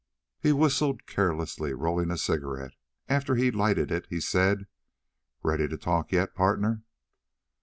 He whistled carelessly, rolling a cigarette. After he lighted it he said: "Ready to talk yet, partner?"